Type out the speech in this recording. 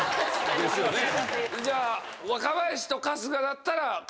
じゃ若林と春日だったら。